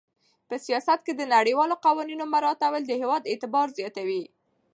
په سیاست کې د نړیوالو قوانینو مراعاتول د هېواد اعتبار زیاتوي.